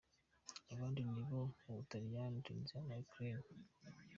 Abandi n'abo mu Butaliyani, Tunisia na Ukraine.